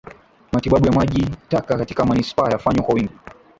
Matibabu ya maji taka katika manispaa yanafanywa kwa wingi